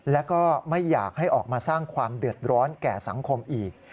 แล้วก็ไม่อยากให้ออกมาสร้างความเดือดร้อนแก่สังคมอีก